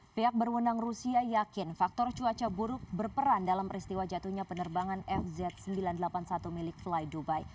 pihak berwenang rusia yakin faktor cuaca buruk berperan dalam peristiwa jatuhnya penerbangan fz sembilan ratus delapan puluh satu milik fly dubai